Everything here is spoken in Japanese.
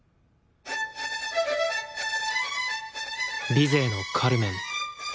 ビゼーの「カルメン」。